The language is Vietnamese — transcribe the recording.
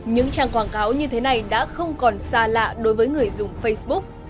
những trang quảng cáo như thế này đã không còn xa lạ đối với người dùng facebook